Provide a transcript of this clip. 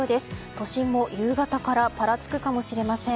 都心も夕方からぱらつくかもしれません。